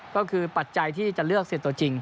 ก็คือปัจจัยที่จะเลือกเสียตัวจริง